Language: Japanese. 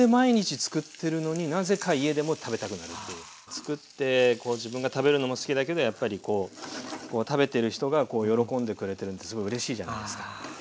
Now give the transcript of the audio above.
つくって自分が食べるのも好きだけどやっぱり食べてる人が喜んでくれてるのすごいうれしいじゃないですか。